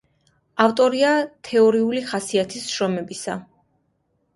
ავტორია თეორიული ხასიათის შრომებისა.